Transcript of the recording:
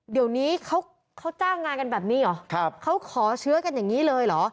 เดี๋ยวนี้เขาจ้างงานกันแบบนี้เหรอเขาขอเชื้อกันอย่างนี้เลยเหรอ